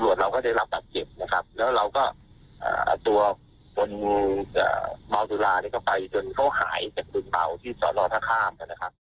หายจากกลุ่นเตาที่สอนอทาคาม